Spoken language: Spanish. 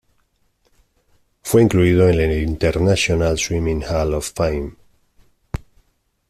Fue incluido en el International Swimming Hall of Fame.